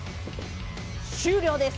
終了です。